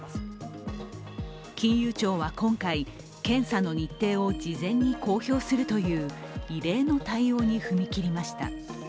金融庁は今回、検査の日程を事前に公表するという異例の対応に踏み切りました。